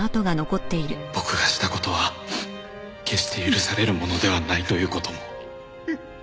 「僕がしたことは決して許されるものではないということも」